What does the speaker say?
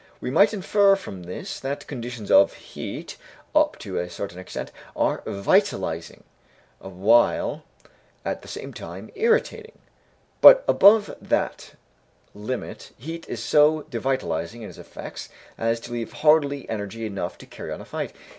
We might infer from this that conditions of heat, up to a certain extent, are vitalizing, while, at the same time, irritating, but above that limit, heat is so devitalizing in its effects as to leave hardly energy enough to carry on a fight."